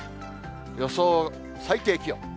予想最低気温。